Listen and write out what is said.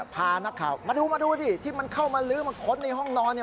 พานักข่าวมาดูมาดูดิที่มันเข้ามาลื้อมาค้นในห้องนอน